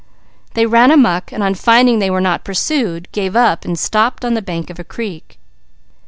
They ran amuck and on finding they were not pursued, gave up, stopping on the bank of a creek.